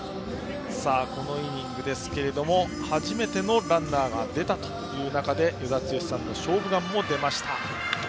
このイニングですけども初めてのランナーが出た中で与田剛さんの「勝負眼」も出ました。